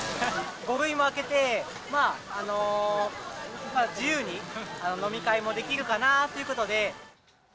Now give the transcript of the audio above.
５類になって、まあ自由に飲み会もできるかなということで。